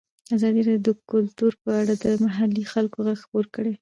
ازادي راډیو د کلتور په اړه د محلي خلکو غږ خپور کړی.